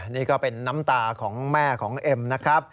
นี่ก็เป็นน้ำตาของแม่ของเอ็มนะครับ